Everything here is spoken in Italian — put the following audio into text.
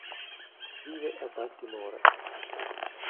Vive a Baltimora.